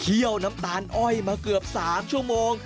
ี่ยวน้ำตาลอ้อยมาเกือบ๓ชั่วโมง